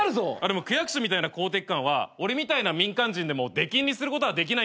でも区役所みたいな公的機関は俺みたいな民間人でも出禁にすることはできないんだよ。